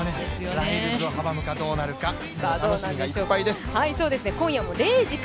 ライルズを阻むのかどうなのか、楽しみがいっぱいです。